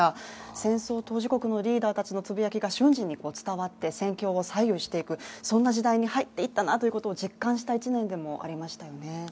戦争当事国のリーダーたちのつぶやきが瞬時に伝わって、戦況を左右していく、そんな時代に入っていったなということを実感した１年でもありましたよね。